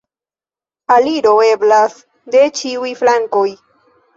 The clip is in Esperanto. Aliro eblas de ĉiuj flankoj.